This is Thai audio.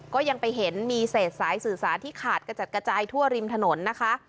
ก็ยังไปเห็นมีเศษสายสื่อสารที่ขาดกระจัดกระจายทั่วริมถนนนะคะ